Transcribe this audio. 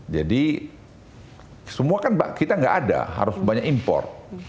jadi semua kan kita gak ada harus banyak import